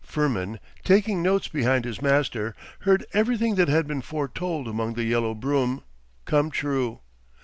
Firmin, taking notes behind his master, heard everything that had been foretold among the yellow broom, come true.